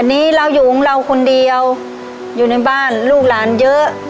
อันนี้เราอยู่ของเราคนเดียวอยู่ในบ้านลูกหลานเยอะ